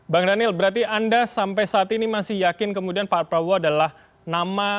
bang daniel berarti anda sampai saat ini masih yakin kemudian pak prabowo adalah nama